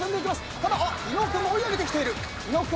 ただ伊野尾君も追い上げてきている。